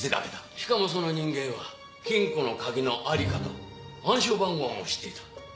しかもその人間は金庫の鍵のありかと暗証番号も知っていた。